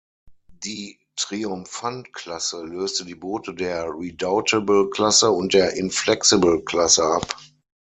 Die "Triomphant-Klasse" löste die Boote der "Redoutable-Klasse" und der "Inflexible-Klasse" ab.